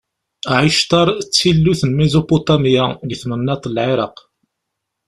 Ɛictar d tillut n Mizupuṭamya, deg tmennaṭ n Lɛiraq.